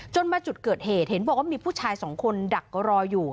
มาจุดเกิดเหตุเห็นบอกว่ามีผู้ชายสองคนดักรออยู่